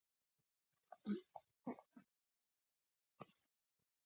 خو برټانوي هند حکومت حوصله ونه کړه.